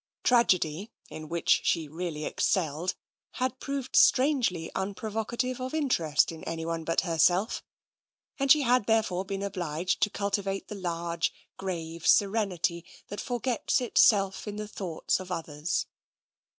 Tragedy, in which she really excelled, had proved strangely unprovocative of interest in anyone but herself, and she had therefore been obliged to cultivate the large, grave serenity that forgets itself in the thought of others.